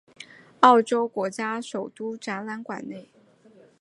澳洲国家首都展览馆内。